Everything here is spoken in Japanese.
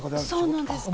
そうなんです。